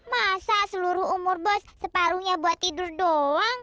masa seluruh umur bos separuhnya buat tidur doang